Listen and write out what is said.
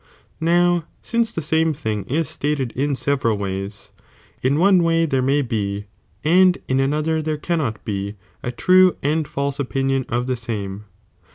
*• Now since the same thing is stated in several ways, in one way there may be, and in another there cannot be (a true and false opinion of the same).